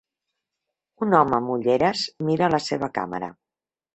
Un home amb ulleres mira la seva càmera.